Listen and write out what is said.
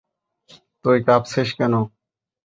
তুই কাঁপছিস কেন?